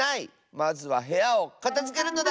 まずはへやをかたづけるのだ！